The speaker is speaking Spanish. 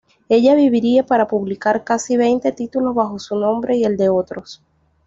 Ella viviría para publicar casi veinte títulos bajo su nombre y el de otros.